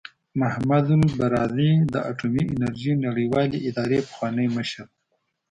محمد البرادعي د اټومي انرژۍ نړیوالې ادارې پخوانی مشر و.